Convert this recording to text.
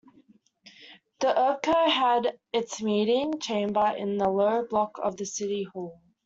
The UrbCo had its meeting chamber in the Low Block of the City Hall.